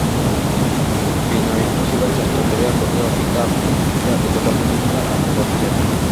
বিনয় হাসিবার চেষ্টা করিয়া কহিল, বৃথা আপনি এতটা ভূমিকা করছেন।